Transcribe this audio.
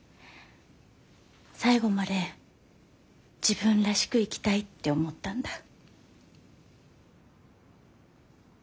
最後まで自分らしく生きたいって思ったんだ。